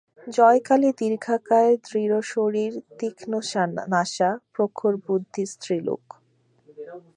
Joykali দীর্ঘাকার দৃঢ়শরীর তীক্ষ্ণনাসা প্রখরবুদ্ধি স্ত্রীলোক।